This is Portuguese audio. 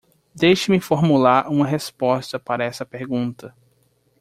Deixe-me formular uma resposta para essa pergunta.